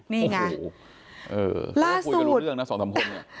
นี่ไงโอ้โหเออพูดกันรู้เรื่องน่ะสองสามคนเนี้ย